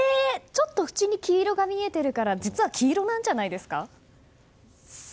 ちょっと縁に黄色が見えてるから実は黄色なんじゃないんですか。